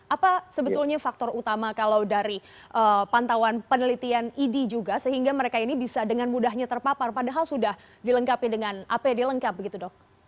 apa sebetulnya faktor utama kalau dari pantauan penelitian idi juga sehingga mereka ini bisa dengan mudahnya terpapar padahal sudah dilengkapi dengan apd lengkap begitu dok